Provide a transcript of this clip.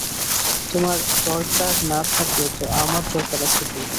তোমার দরকার না থাকে তো আমার দরকার আছে বৈকি।